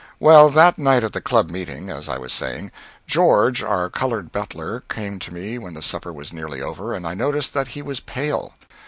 Well, that night at the Club meeting as I was saying George, our colored butler, came to me when the supper was nearly over, and I noticed that he was pale.